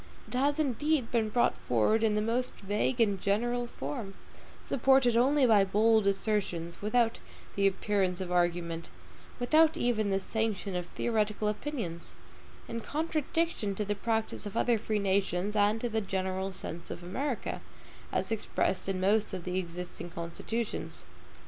It has indeed been brought forward in the most vague and general form, supported only by bold assertions, without the appearance of argument; without even the sanction of theoretical opinions; in contradiction to the practice of other free nations, and to the general sense of America, as expressed in most of the existing constitutions.